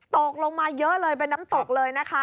ตกลงมาเยอะเลยเป็นน้ำตกเลยนะคะ